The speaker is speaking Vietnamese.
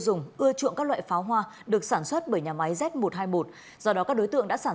dùng ưa chuộng các loại pháo hoa được sản xuất bởi nhà máy z một trăm hai mươi một do đó các đối tượng đã sản